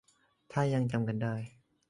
ถ้ายังจำกันได้